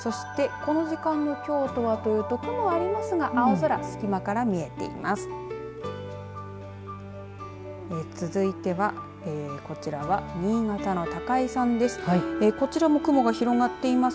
そしてこの時間の京都はというと雲はありますが青空、隙間から見えています。